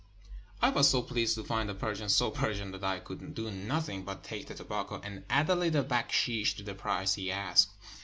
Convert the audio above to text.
I was so pleased to find a Persian so Persian that I could do nothing but take the tobacco and add a little backsheesh to the price he asked.